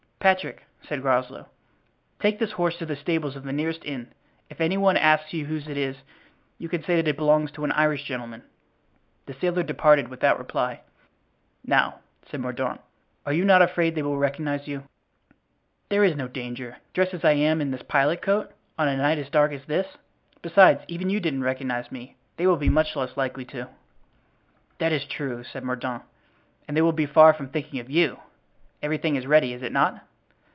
"Patrick," said Groslow, "take this horse to the stables of the nearest inn. If any one asks you whose it is you can say that it belongs to an Irish gentleman." The sailor departed without reply. "Now," said Mordaunt, "are you not afraid that they will recognize you?" "There is no danger, dressed as I am in this pilot coat, on a night as dark as this. Besides even you didn't recognize me; they will be much less likely to." "That is true," said Mordaunt, "and they will be far from thinking of you. Everything is ready, is it not?"